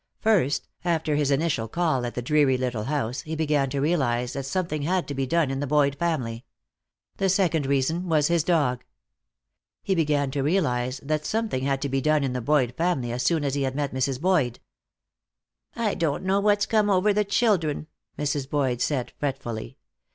First, after his initial call at the dreary little house, he began to realize that something had to be done in the Boyd family. The second reason was his dog. He began to realize that something had to be done in the Boyd family as soon as he had met Mrs. Boyd. "I don't know what's come over the children," Mrs. Boyd said, fretfully.